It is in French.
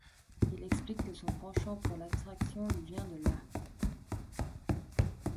Il explique que son penchant pour l’abstraction lui vient de là.